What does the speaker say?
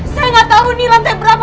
saya nggak tahu ini lantai berapa